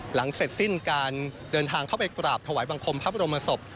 หลังเสร็จสิ้นการเดินทางเข้าไปกราบถวายบังคมพระบรมศพ